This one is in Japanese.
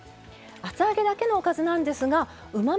厚揚げだけのおかずなんですがうま